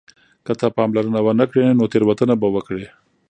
که ته پاملرنه ونه کړې نو تېروتنه به وکړې.